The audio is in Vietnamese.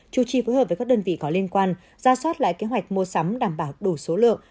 chủ trì phối hợp với các đơn vị có liên quan ra soát lại kế hoạch mua sắm đảm bảo đủ số lượng